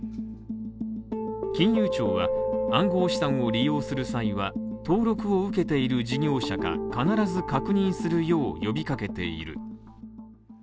金融庁は、暗号資産を利用する際は登録を受けている事業者か必ず確認するよう呼びかけている。